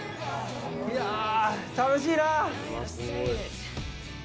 いやぁ、楽しいな！